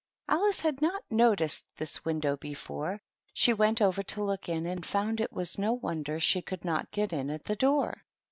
Alice had not noticed this window before ; she went over to look in, and found it was no wonder she could not get in at the door.